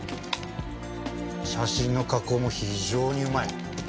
写真の加工も非常にうまい。